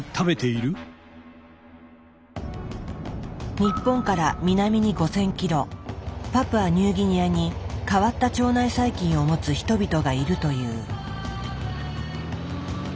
日本から南に５，０００キロパプアニューギニアに変わった腸内細菌を持つ人々がいるという。